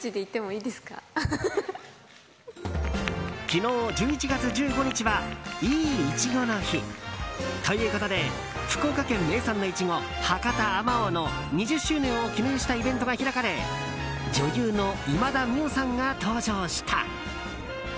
昨日１１月１５日はいいいちごの日ということで福岡県名産のイチゴ博多あまおうの２０周年を記念したイベントが開かれ女優の今田美桜さんが登場した。